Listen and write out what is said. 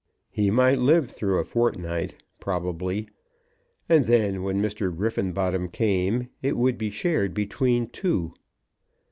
He might live through a fortnight, probably, and then when Mr. Griffenbottom came it would be shared between two.